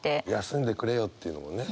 休んでくれよっていうのもね。